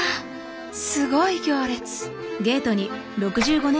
すごい行列。